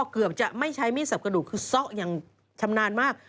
เกือบจะไม่ใช้มีดสับกระดูกคือซ่ออย่างชำนาญมาก